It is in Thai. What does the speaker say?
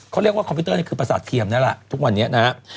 เขาเรียกว่าคอมพิวเตอร์นี่คือประสาทเทียมนั่นแหละทุกวันนี้นะครับ